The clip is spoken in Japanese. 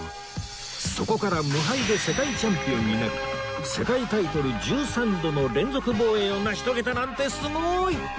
そこから無敗で世界チャンピオンになり世界タイトル１３度の連続防衛を成し遂げたなんてすごい！